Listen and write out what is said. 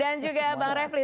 dan juga bang refli